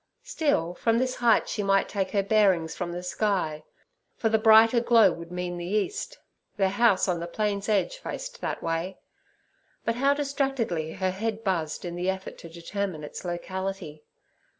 Still, from this height she might take her bearings from the sky, for the brighter glow would mean the east—their house on the plain's edge faced that way. But how distractedly her head buzzed in the effort to determine its locality.